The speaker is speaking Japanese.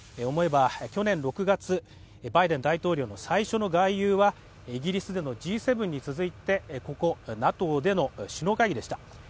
思えば去年６月バイデン大統領の最初の外遊はイギリスでのＧ７に続いて、ここＮＡＴＯでの首脳会議でした。